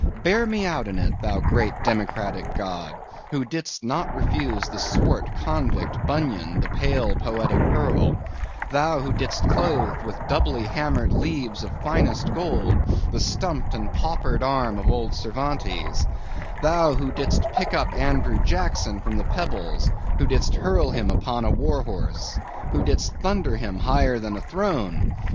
Bear me out in it, thou great democratic God! who didst not refuse to the swart convict, Bunyan, the pale, poetic pearl; Thou who didst clothe with doubly hammered leaves of finest gold, the stumped and paupered arm of old Cervantes; Thou who didst pick up Andrew Jackson from the pebbles; who didst hurl him upon a war horse; who didst thunder him higher than a throne!